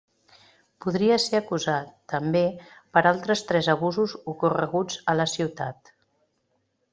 Podria ser acusat, també, per altres tres abusos ocorreguts a la ciutat.